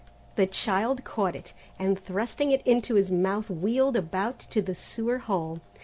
The child caught it, and thrusting it into his mouth wheeled about to the sewer hole.